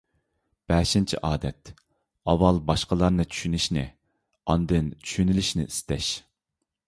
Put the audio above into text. بەشىنچى ئادەت، ئاۋۋال باشقىلارنى چۈشىنىشنى، ئاندىن چۈشىنىلىشنى ئىستەش.